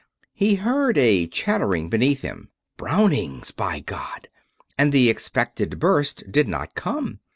He heard a chattering beneath him Brownings, by God! and the expected burst did not come.